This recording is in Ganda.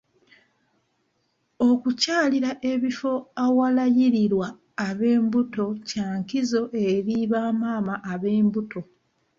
Okukyalira ebifo awalairirwa ab'embuto kya nkizo eri bamaama ab'embuto.